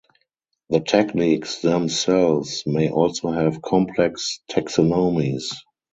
The techniques themselves may also have complex taxonomies.